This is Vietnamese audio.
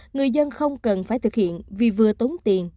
người dân không cần phải thực hiện vì vừa tốn tiền